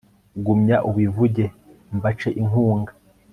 gumya ubivuge mbace inkunga